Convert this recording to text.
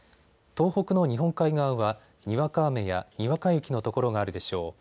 東北の日本海側はにわか雨やにわか雪の所があるでしょう。